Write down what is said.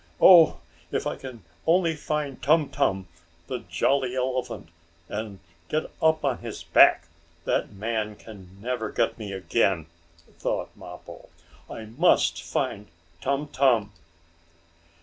"Oh, if I can only find Tum Tum, the jolly elephant, and get up on his back, that man can never get me again!" thought Mappo. "I must find Tum Tum!"